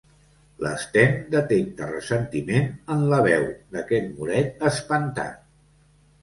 L'Sten detecta ressentiment en la veu d'aquest moret espantat.